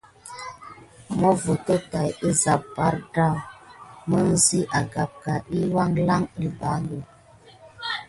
Avoto tat kuzabe bardaou mizine agampa diy awale bayague.